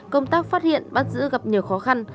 công tác phát hiện bắt giữ gặp nhiều khó khăn